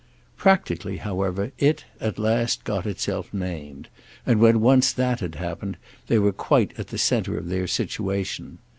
Practically, however, it at last got itself named, and when once that had happened they were quite at the centre of their situation.